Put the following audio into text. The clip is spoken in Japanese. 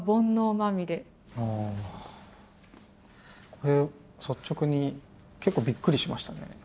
これ率直に結構びっくりしましたね。